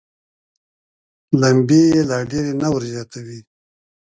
لمبې یې لا ډېرې نه وزياتوي.